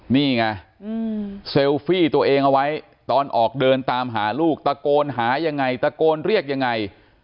นี่ไงเซลฟี่ตัวเองเอาไว้ตอนออกเดินตามหาลูกตะโกนหายังไงตะโกนเรียกยังไง